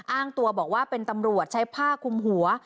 อ้างตัวบอกว่าเป็นตำรวจใช้ผ้าคุมหัว